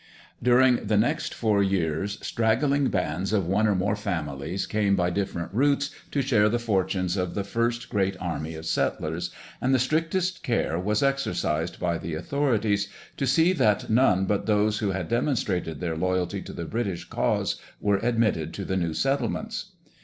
During the next four years straggling bands of one or more families came by different routes to share the fortunes of the first great army of settlers, and the strictest care was exercised by the authorities to see that none but those who had demonstrated their loyalty to the British cause were admitted to the new settlements.